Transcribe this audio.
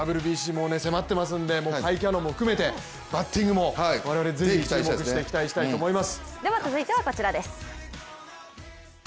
ＷＢＣも迫ってますので甲斐キャノンも含めてバッティングも我々ぜひ注目していきたいと思います。